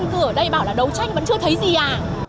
người dân ở đây bảo là đấu tranh vẫn chưa thấy gì à